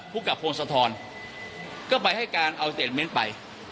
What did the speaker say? ผู้กลับโครงสะท้อนก็ไปให้การเอาเตะเม้นท์ไป